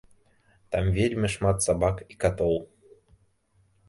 Там вельмі шмат і сабак, і катоў.